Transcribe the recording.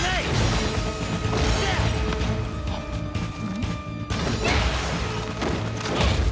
ん？